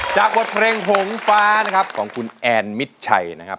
จากเผลงหงฟ้านะครับของขุนแอนมิดไชน์นะครับ